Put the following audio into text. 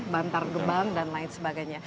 bantar gebang dan lain sebagainya